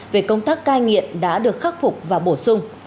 về công tác cai nghiện đã được khắc phục và bổ sung